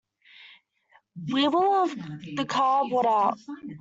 We will have the car brought out.